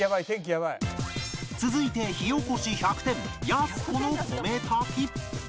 続いて火おこし１００点やす子の米炊き